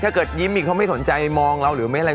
ยิ้มอีกเขาไม่สนใจมองเราหรือไม่อะไร